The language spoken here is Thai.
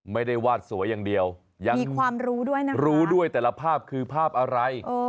ไม่ได้วาดสวยอย่างเดียวยังมีความรู้ด้วยนะรู้ด้วยแต่ละภาพคือภาพอะไร